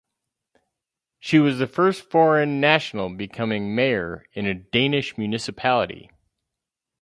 She was the first foreign national becoming mayor in a Danish municipality.